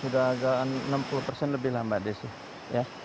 sudah agak enam puluh persen lebih lah mbak desy